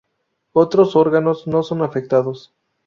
Otros órganos no son afectados.